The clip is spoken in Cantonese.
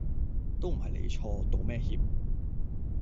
都唔係你錯，道咩歉